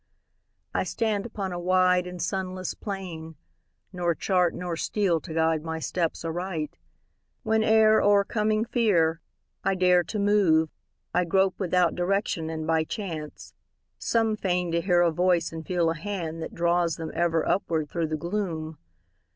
I stand upon a wide and sunless plain, Nor chart nor steel to guide my steps aright. Whene'er, o'ercoming fear, I dare to move, I grope without direction and by chance. Some feign to hear a voice and feel a hand That draws them ever upward thro' the gloom.